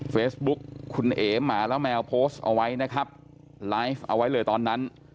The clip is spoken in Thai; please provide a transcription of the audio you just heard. เฟซบุ๊กคุณเอ๋หมาแล้วแมวโพสต์เอาไว้นะครับไลฟ์เอาไว้เลยตอนนั้น